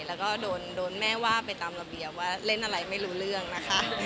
แล้วก็โดนแม่ว่าไปตามระเบียบว่าเล่นอะไรไม่รู้เรื่องนะคะ